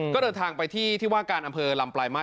ก็เดินทางไปที่ที่ว่าการอำเภอลำปลายมาส